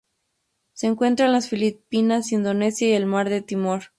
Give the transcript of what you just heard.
Se encuentra en las Filipinas, Indonesia y el Mar de Timor.